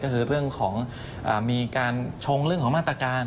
ก็คือเรื่องของมีการชงเรื่องของมาตรการ